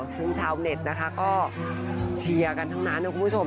ซึ่งชาวเน็ตนะคะก็เชียร์กันทั้งนั้นนะคุณผู้ชม